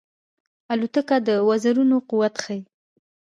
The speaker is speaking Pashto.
الوتکه د وزرونو قوت ښيي.